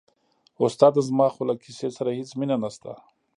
استاده زما خو له کیسې سره هېڅ مینه نشته.